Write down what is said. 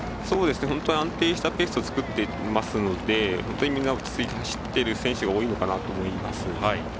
本当に安定したペースを作っていますので落ち着いて走る選手が多いのかなと思います。